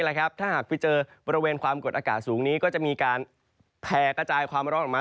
ถ้าหากไปเจอบริเวณความกดอากาศสูงนี้ก็จะมีการแผ่กระจายความร้อนออกมา